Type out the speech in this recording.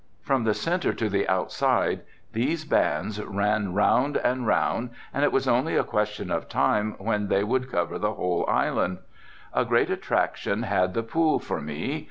From the centre to the outside these bands ran round and round and it was only a question of time when they would cover the whole island. A great attraction had the pool for me.